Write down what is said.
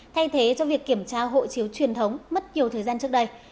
thay thế cho việc kiểm tra hộ chiếu truyền thống mất nhiều thời gian trước đây